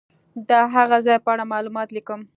د هغه ځای په اړه معلومات لیکم.